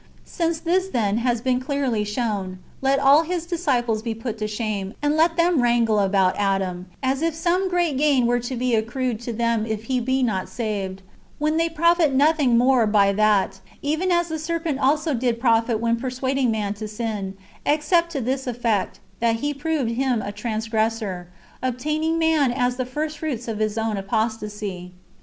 ^ Since this, then, has been clearly shown, let all his disciples be put to shame, and let them wrangle ^ about Adam, as if some great gain were to accrue to them if he be not saved ; when they profit nothing more [by that], even as the serpent also did not profit when persuading man [to sin], except to this effect, that he proved him a transgressor, obtaining man as the first fruits of his own apostasy.